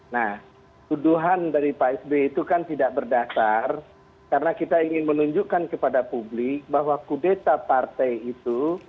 nah tuduhan dari pak sby itu kan tidak berdasar karena kita ingin menunjukkan kepada publik bahwa kudeta partai itu